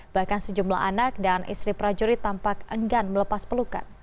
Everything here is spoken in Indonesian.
bahkan sejumlah anak dan istri prajurit tampak enggan melepas pelukan